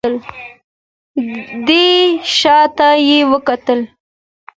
دی شا ته يې وکتل.